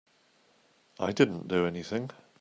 I didn't do anything.